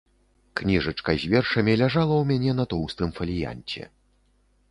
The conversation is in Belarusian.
Кніжачка з вершамі ляжала ў мяне на тоўстым фаліянце.